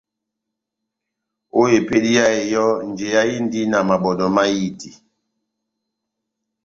Ó epédi yá eyɔ́, njeyá inidini na mabɔ́dɔ mahiti.